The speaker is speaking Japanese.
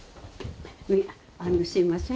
あのすいません